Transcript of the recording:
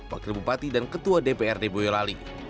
wakil bupati dan ketua dprd boyolali